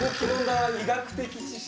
医学的知識。